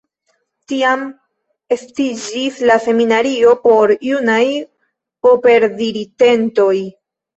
Tiam estiĝis la seminario por junaj operdiritentoj.